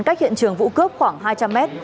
cách hiện trường vụ cướp khoảng hai trăm linh mét